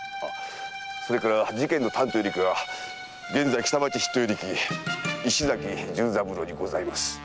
それから事件の担当与力は現在北町筆頭与力石崎十三郎にございます。